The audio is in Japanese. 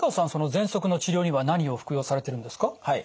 ぜんそくの治療には何を服用されてるんですか？